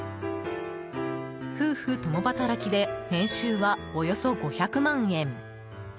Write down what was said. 夫婦共働きで年収は、およそ５００万円。